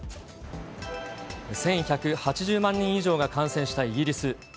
１１８０万人以上が感染したイギリス。